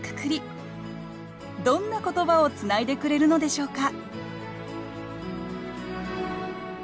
どんな言葉をつないでくれるのでしょうか